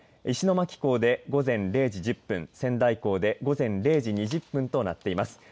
石巻港で午前０時１０分仙台港で午前０時２０分となっています。